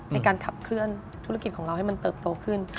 ในการขับเคลื่อนธุรกิจของเราให้มันเติบโตขึ้น